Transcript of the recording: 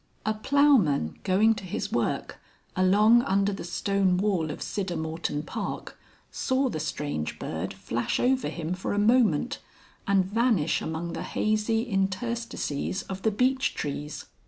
A ploughman going to his work, along under the stone wall of Siddermorton Park, saw the Strange Bird flash over him for a moment and vanish among the hazy interstices of the beech trees.